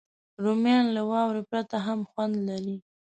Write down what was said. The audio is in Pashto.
رومیان له واورې پرته هم خوند لري